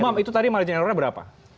mas umam itu tadi margin errornya berapa